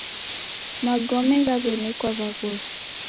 Magome ghaw'enekwa w'aghosi.